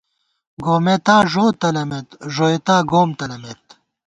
گومېتاݫو تلَمېت ، ݫوئیتا گوم تلَمېت